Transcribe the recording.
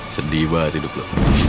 sedih banget hidup lo